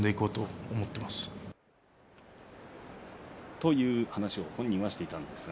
という話を本人はしていました。